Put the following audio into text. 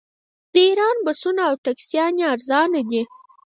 د ایران بسونه او ټکسیانې ارزانه دي.